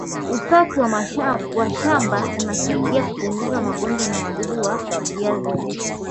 usafi wa shamba unasaidia kupunguza magonjwa na wadudu wa viazi lishe